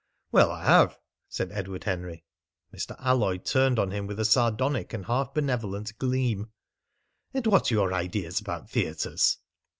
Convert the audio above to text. "Well, I have," said Edward Henry. Mr. Alloyd turned on him with a sardonic and half benevolent gleam. "And what are your ideas about theatres?"